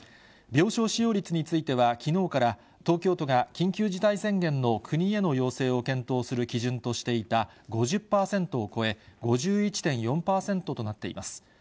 病床使用率については、きのうから東京都が緊急事態宣言の国への要請を検討する基準としていた５０％を超え、５１．４％となっています。